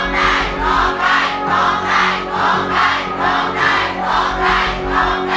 ร้องได้หรือว่าร้องผิดครับ